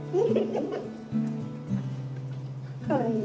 かわいい。